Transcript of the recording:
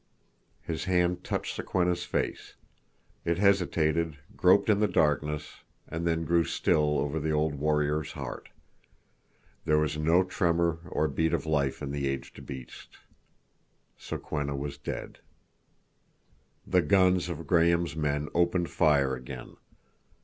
His hand touched Sokwenna's face; it hesitated, groped in the darkness, and then grew still over the old warrior's heart. There was no tremor or beat of life in the aged beast. Sokwenna was dead. The guns of Graham's men opened fire again.